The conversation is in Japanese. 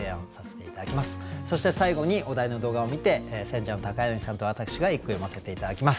そして最後にお題の動画を観て選者の柳さんと私が一句詠ませて頂きます。